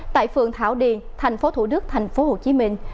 tại phường thảo điền thành phố thủ đức thành phố hồ chí minh